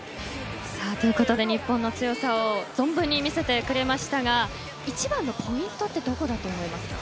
日本の強さを存分に見せてくれましたが一番のポイントってどこだと思いますか。